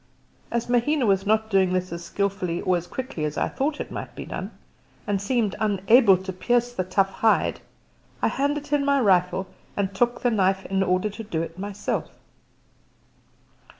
As Mahina was not doing this as skilfully or as quickly as I thought it might be done, and seemed unable to pierce the tough hide, I handed him my rifle and took the knife in order to do it myself.